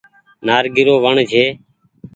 نآريگي رو وڻ ڇي